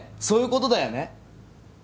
そういうことだよね？